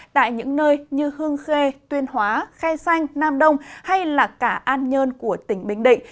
tại những nơi như hương khê tuyên hóa khe xanh nam đông hay là cả an nhơn của tỉnh bình định